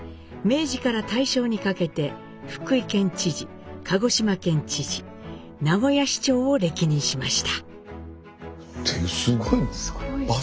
明治から大正にかけて福井県知事鹿児島県知事名古屋市長を歴任しました。